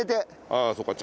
ああそっか